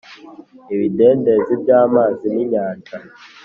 Ibidendezi by’amazi ninyanja